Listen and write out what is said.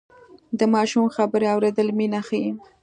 د ماشوم خبرې اورېدل مینه ښيي.